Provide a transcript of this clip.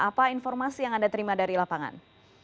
apa informasi yang anda terima dari lapangan